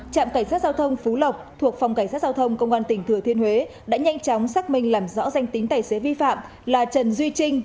trạm cảnh sát giao thông phú lộc thuộc phòng cảnh sát giao thông công an tỉnh thừa thiên huế đã nhanh chóng xác minh làm rõ danh tính tài xế vi phạm là trần duy trinh